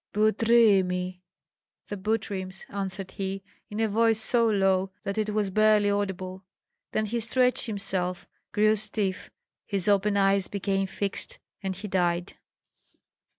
"Bu try my " (The Butryms), answered he, in a voice so low that it was barely audible. Then he stretched himself, grew stiff, his open eyes became fixed, and he died.